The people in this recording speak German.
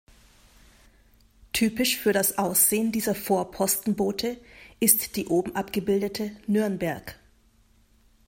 Typisch für das Aussehen dieser Vorpostenboote ist die oben abgebildete "Nürnberg".